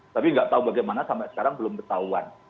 tapi nggak tahu bagaimana sampai sekarang belum ketahuan